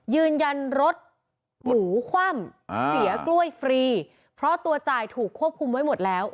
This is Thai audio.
ยืนยันรถหมูคว่ำเสียกล้วยฟรีเพราะตัวจ่ายถูกควบคุมไว้หมดแล้ว